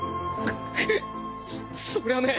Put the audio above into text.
そりゃねえ